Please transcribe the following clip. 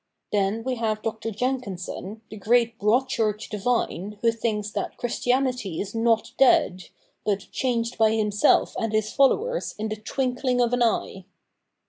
Then we have Dr. Jenkinson, the great Broad church divine who thinks that Christianity is not dead, but changed by himself and his followers in the twinkling of an eye.'